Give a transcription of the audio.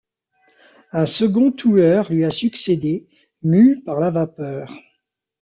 Un second toueur lui a succédé, mû par la vapeur.